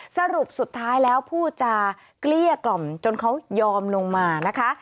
สรุปสุดท้ายแล้วพูดจาเกลี้ยกล่อมจนเขายอมลงมานะคะ